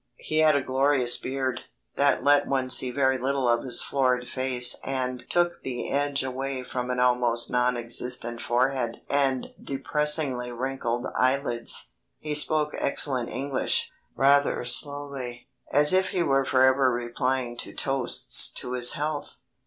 He had a glorious beard, that let one see very little of his florid face and took the edge away from an almost non existent forehead and depressingly wrinkled eyelids. He spoke excellent English, rather slowly, as if he were forever replying to toasts to his health.